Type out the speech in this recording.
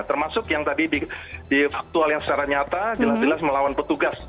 termasuk yang tadi di faktual yang secara nyata jelas jelas melawan petugas